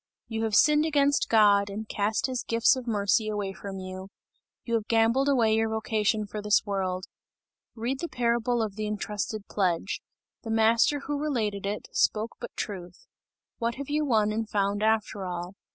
You have sinned against God, and cast his gifts of mercy away from you; you have gambled away your vocation for this world. Read the parable of the entrusted pledge. The Master who related it, spoke but truth! What have you won and found after all?